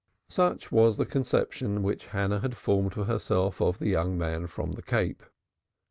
Such was the conception which Hannah had formed for herself of the young man from the Cape.